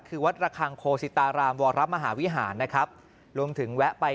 คือวัดระคังโคสิตารามวรมหาวิหารนะครับรวมถึงแวะไป